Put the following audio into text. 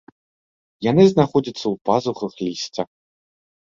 Яны знаходзяцца ў пазухах лісця.